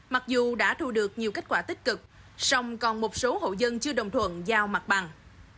mặc dù đã thu được nhiều kết quả tích cực song còn một số hộ dân chưa đồng thuận giao mặt bằng